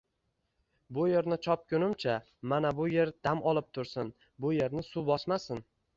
bu yerni chopgunimcha, mana bu yer dam olib tursin, bu yerni suv bosmasin...”